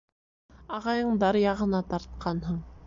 — Ағайыңдар яғына тартҡанһың.